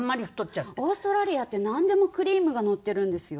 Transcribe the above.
オーストラリアってなんでもクリームがのってるんですよ。